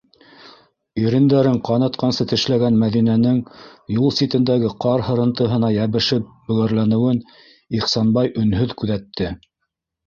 - Ирендәрен ҡанатҡансы тешләгән Мәҙинәнең юл ситендәге ҡар һырынтыһына йәбешеп бөгәрләнеүен Ихсанбай өнһөҙ күҙәтте.